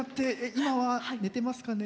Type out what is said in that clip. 今は寝てますかね。